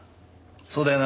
そうだよな？